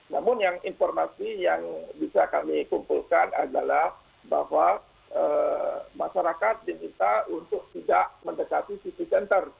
namun yang informasi yang bisa kami kumpulkan adalah bahwa masyarakat diminta untuk tidak mendekati city center